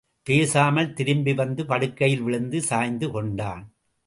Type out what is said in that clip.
பேசாமல் திரும்பி வந்து படுக்கையில் விழுந்து சாய்ந்து கொண்டான்.